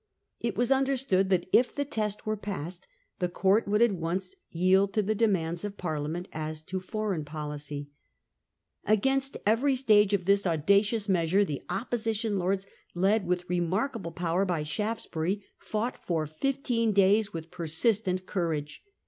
It was understood that, if the Test were passed, the court would at once yield to the demands of Parliament as to foreign policy. I67S. 237 1 Danby baffled. Against every stage of this audacious measure the opposition lords, led with remarkable power by Shaftes bury, fought for fifteita days with persistent courage.